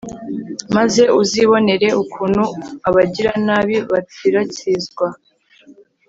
maze uzibonere ukuntu abagiranabi batsiratsizwa